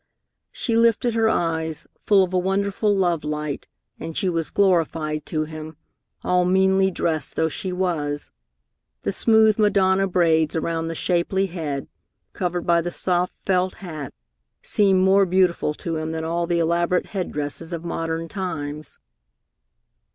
She lifted her eyes, full of a wonderful love light, and she was glorified to him, all meanly dressed though she was. The smooth Madonna braids around the shapely head, covered by the soft felt hat, seemed more beautiful to him than all the elaborate head dresses of modern times.